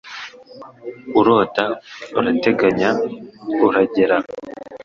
Urota. Urateganya. Uragera. ”